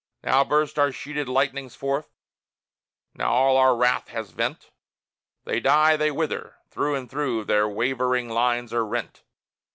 Now burst our sheeted lightnings forth, now all our wrath has vent! They die, they wither; through and through their wavering lines are rent.